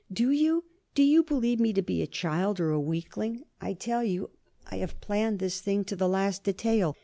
Do you? Do you believe me to be a child, or a weakling? I tell you, I have planned this thing to the last detail.